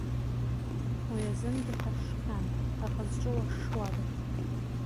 Уи азынгьы ҳашшхьан, аха зҿы уашшуада!